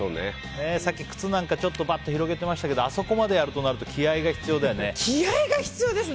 さっき靴なんか広げてましたけどあそこまでやるとなると気合が必要だよね。